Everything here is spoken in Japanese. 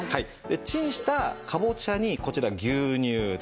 チンしたかぼちゃにこちら牛乳です。